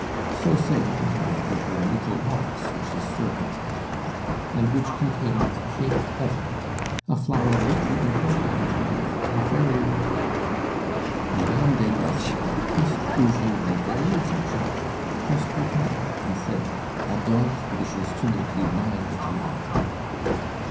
So saying, he offered her a little box which his servant had brought and which contained a Cape heather, a flower lately imported into Europe and very rare. Madame des Grassins kissed Eugenie very affectionately, pressed her hand, and said: "Adolphe wishes to make you my little offering."